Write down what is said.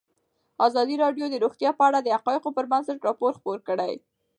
ازادي راډیو د روغتیا په اړه د حقایقو پر بنسټ راپور خپور کړی.